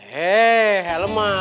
hei helm mah